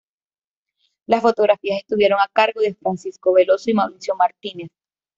Las fotografías estuvieron a cargo de Francisco Veloso y Mauricio Martínez.